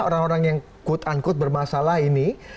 orang orang yang quote unquote bermasalah ini